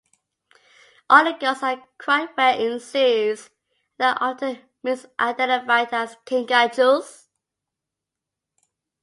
Olingos are quite rare in zoos and are often misidentified as kinkajous.